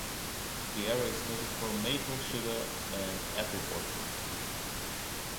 The area is noted for maple sugar and apple orchards.